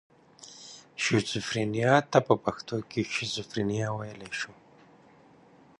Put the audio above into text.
شیزوفرنیا ته په پښتو کې شیزوفرنیا ویلی شو.